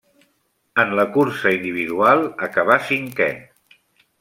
En la cursa individual acabà cinquè.